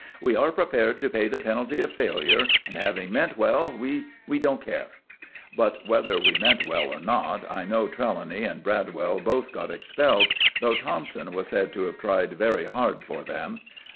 "We are prepared to pay the penalty of failure, and having meant well we we don't care." But whether we meant well or not, I know Trelawney and Bradwell both got expelled, though Thompson was said to have tried very hard for them.